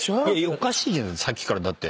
おかしいじゃないさっきから。